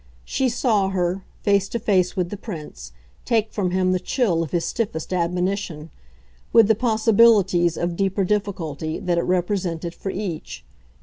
She saw her, face to face with the Prince, take from him the chill of his stiffest admonition, with the possibilities of deeper difficulty that it represented for each.